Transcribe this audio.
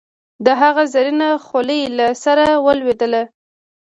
د هغه زرينه خولی له سره ولوېده.